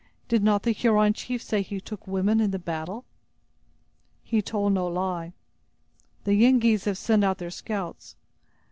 Did not the Huron chief say he took women in the battle?" "He told no lie. The Yengeese have sent out their scouts.